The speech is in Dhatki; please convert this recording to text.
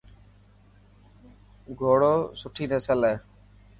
گهوڙو سٺي نسل هي.